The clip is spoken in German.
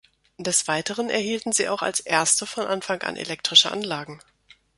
Des Weiteren erhielten sie auch als erste von Anfang an elektrische Anlagen.